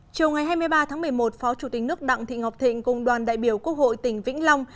chiều ngày hai mươi ba tháng một mươi một phó chủ tịch nước đặng thị ngọc thịnh cùng đoàn đại biểu quốc hội tỉnh vĩnh long